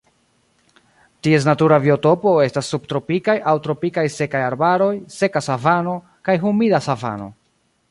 Ties natura biotopo estas subtropikaj aŭ tropikaj sekaj arbaroj, seka savano kaj humida savano.